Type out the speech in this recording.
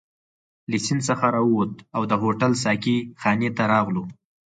له سیند څخه راووتو او د هوټل ساقي خانې ته راغلو.